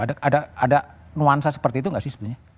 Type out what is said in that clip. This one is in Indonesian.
ada nuansa seperti itu nggak sih sebenarnya